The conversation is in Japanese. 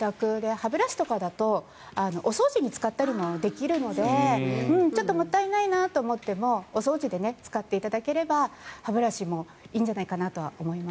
歯ブラシとかだとお掃除に使ったりもできるのでちょっともったいないなと思ってもお掃除で使っていただければ歯ブラシもいいんじゃないかなと思います。